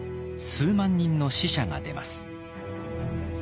数万人の死者が出ます。